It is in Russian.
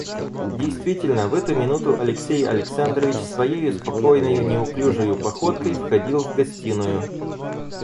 Действительно, в эту минуту Алексей Александрович своею спокойною, неуклюжею походкой входил в гостиную.